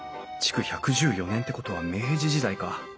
築１１４年ってことは明治時代か。